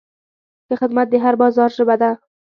ښه خدمت د هر بازار ژبه ده.